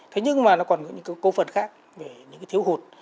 thế nhưng mà nó còn những cấu phần khác về những thiếu hụt